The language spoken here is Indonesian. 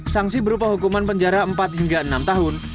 sanksi berupa hukuman penjara empat hingga enam tahun